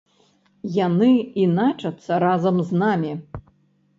Яны іначацца разам з намі.